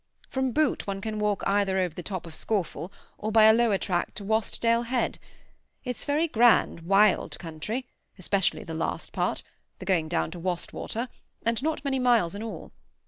From Boot one can walk either over the top of Scawfell or by a lower track to Wastdale Head. It's very grand, wild country, especially the last part, the going down to Wastwater, and not many miles in all.